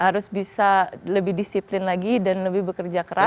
harus bisa lebih disiplin lagi dan lebih bekerja keras